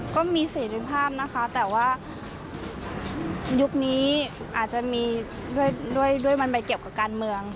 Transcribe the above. ก็มีเสรีภาพนะคะแต่ว่ายุคนี้อาจจะมีด้วยมันไปเกี่ยวกับการเมือง